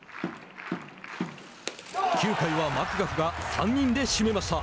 ９回はマクガフが３人で締めました。